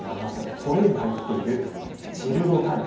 トレーに入っているチルドタイプ。